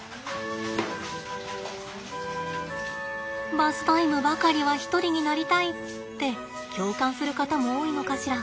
バスタイムばかりは一人になりたいって共感する方も多いのかしら。